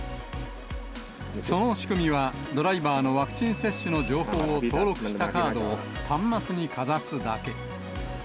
その仕組みは、ドライバーのワクチン接種の情報を登録したカードを端末にかざすだけ。